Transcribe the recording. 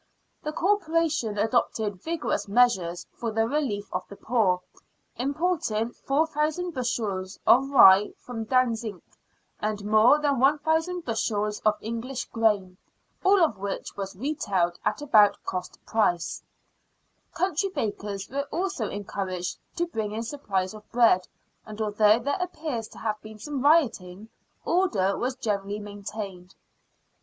The Corporation adopted vigorous 79 80 SIXTEENTH CENTURY BRISTOL. measures for the relief of the poor, importing 4,000 bushels of rye from Dantzic, and more than 1,000 bushels of English grain, all of which was retailed at about cost price. Country bakers were also encouraged to bring in supplies of bread, and although there appears to have "been some rioting, order was generally maintained.